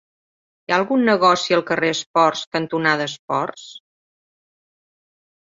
Hi ha algun negoci al carrer Esports cantonada Esports?